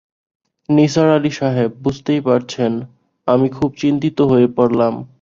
নিসার আলি সাহেব, বুঝতেই পারছেন, আমি খুব চিন্তিত হয়ে পড়লাম।